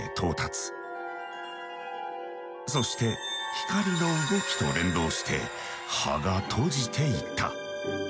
そして光の動きと連動して葉が閉じていった。